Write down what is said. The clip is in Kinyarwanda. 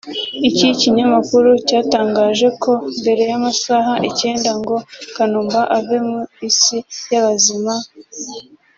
Iki kinyamakuru cyatangaje ko mbere y’amasaha icyenda ngo Kanumba ave mu isi y’abazima